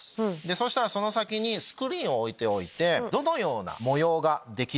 そしたらその先にスクリーンを置いておいてどのような模様ができるか。